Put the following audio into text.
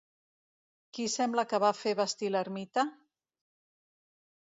Qui sembla que va fer vestir l'ermita?